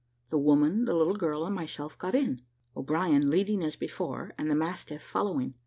The woman, the little girl, and myself got in, O'Brien leading as before, and the mastiff following.